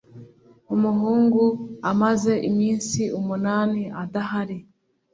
umuhungu amaze iminsi umunani adahari